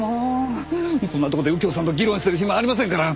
こんなとこで右京さんと議論してる暇ありませんから！